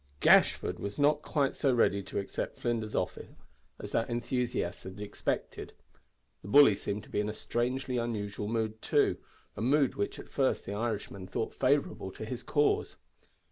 Gashford was not quite so ready to accept Flinders's offer as that enthusiast had expected. The bully seemed to be in a strangely unusual mood, too a mood which at first the Irishman thought favourable to his cause.